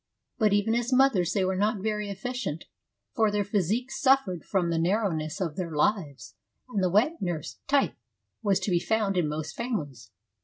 But even as mothers they were not very efficient, for their physique suffered from the narrow ness of their lives, and the wet nurse — Titthe — was to be found in most families.